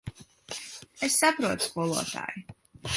Es saprotu, skolotāj.